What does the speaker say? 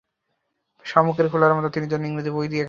শামুকের খোলার মতো তিনি যেন ইংরেজি বই দিয়া ঘেরা।